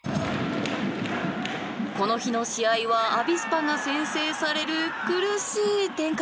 この日の試合はアビスパが先制される苦しい展開。